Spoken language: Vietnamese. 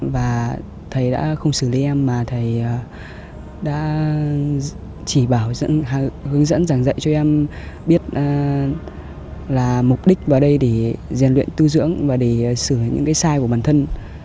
và thầy đã không xử lý em mà thầy đã chỉ bảo hướng dẫn giảng dạy cho em biết là mục đích vào đây để rèn luyện tu dưỡng và để sửa những cái sai của bản thân